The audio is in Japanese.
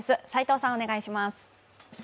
齋藤さん、お願いします。